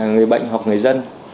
người bệnh hoặc người dân